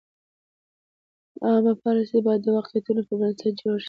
عامه پالیسۍ باید د واقعیتونو پر بنسټ جوړې شي.